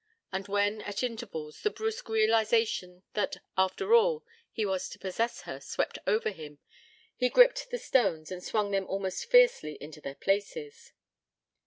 And when, at intervals, the brusque realization that, after all, he was to possess her swept over him, he gripped the stones, and swung them almost fiercely into their places.